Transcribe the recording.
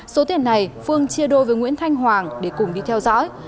số tiền này phương chia đôi với nguyễn thanh hoàng để cùng đi theo dõi